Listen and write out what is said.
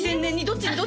どっちに？